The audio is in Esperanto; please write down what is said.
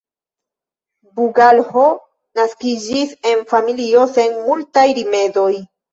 Bugalho naskiĝis en familio sen multaj rimedoj.